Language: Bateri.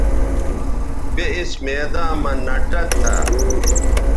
بے اِس میداں مہ نہ ٹہ تھا